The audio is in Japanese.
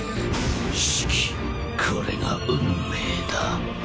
シキこれが運命だ。